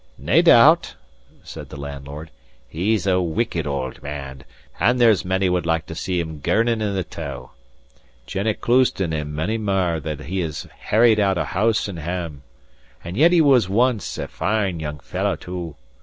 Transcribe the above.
"Nae doubt," said the landlord. "He's a wicked auld man, and there's many would like to see him girning in the tow*. Jennet Clouston and mony mair that he has harried out of house and hame. And yet he was ance a fine young fellow, too.